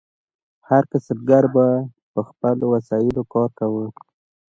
هر کسبګر به په خپلو وسایلو کار کاوه.